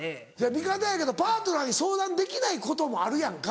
味方やけどパートナーに相談できないこともあるやんか。